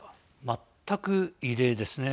全く異例ですね。